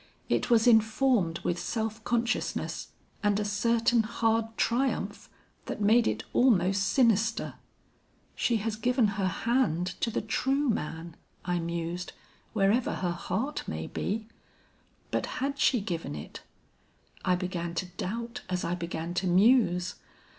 It was informed with self consciousness, and a certain hard triumph, that made it almost sinister. 'She has given her hand to the true man,' I mused, 'wherever her heart may be. But had she given it?' I began to doubt as I began to muse.